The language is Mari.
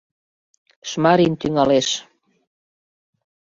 Шмарин тӱҥалеш...